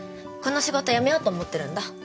この仕事辞めようと思ってるんだ。